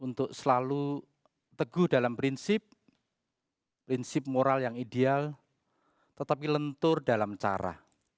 untuk selalu teguh dalam prinsip prinsip moral yang ideal tetapi lentur dalam cara